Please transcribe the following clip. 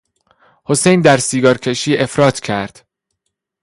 حسین در سیگارکشی افراط کرد.